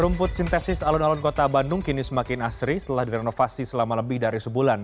rumput sintesis alun alun kota bandung kini semakin asri setelah direnovasi selama lebih dari sebulan